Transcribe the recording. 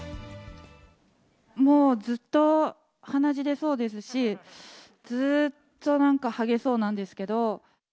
もうずっと、鼻血出そうですし、ずっとなんかはげそうなんですけど。